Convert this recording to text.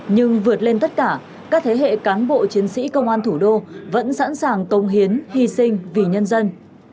nhưng vượt lên tất cả các thế hệ cán bộ chiến sĩ công an thủ đô vẫn sẵn sàng công hiến hy sinh vì nhân dân